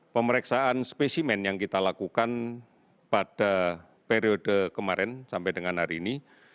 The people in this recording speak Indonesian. pemeriksaan spesimen yang kita lakukan pada periode kemarin sampai dengan hari ini